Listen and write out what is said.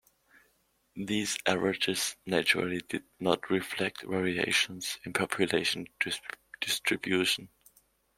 These averages, naturally, did not reflect variations in population distribution.